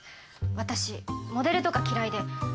私モデルとか嫌いで。